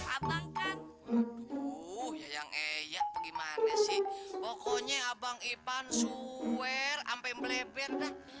abang kan uh yang kayak gimana sih pokoknya abang ipan suwer ampem leber